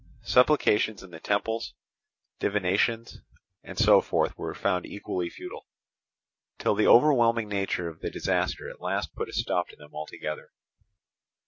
Supplications in the temples, divinations, and so forth were found equally futile, till the overwhelming nature of the disaster at last put a stop to them altogether.